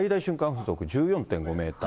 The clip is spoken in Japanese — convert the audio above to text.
風速１４．５メーター。